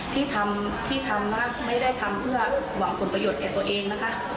ที่ทำที่ทำนะไม่ได้ทำเพื่อหวังผลประโยชน์แก่ตัวเองนะคะ